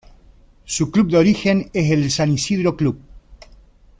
Su club de origen es el San Isidro Club.